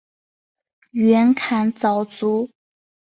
袁侃早卒。